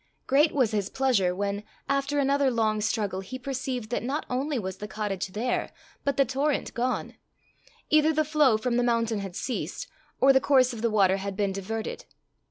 Great was his pleasure when, after another long struggle, he perceived that not only was the cottage there, but the torrent gone: either the flow from the mountain had ceased, or the course of the water had been diverted.